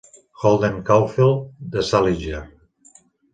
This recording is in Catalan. Holden Caulfield de Salinger.